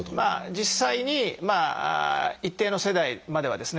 実際に一定の世代まではですね